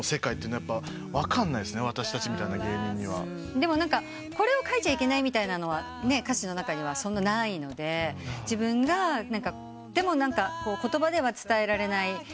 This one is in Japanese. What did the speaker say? でもこれを書いちゃいけないみたいなのは歌詞の中にはそんなないので自分が言葉では伝えられないことを歌詞。